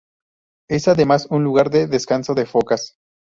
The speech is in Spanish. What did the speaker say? Es además un lugar de descanso de focas.